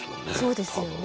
そうですよね。